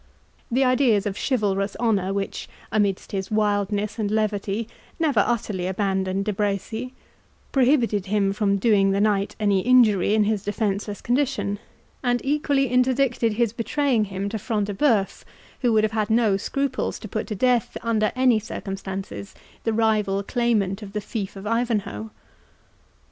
The ideas of chivalrous honour, which, amidst his wildness and levity, never utterly abandoned De Bracy, prohibited him from doing the knight any injury in his defenceless condition, and equally interdicted his betraying him to Front de Bœuf, who would have had no scruples to put to death, under any circumstances, the rival claimant of the fief of Ivanhoe.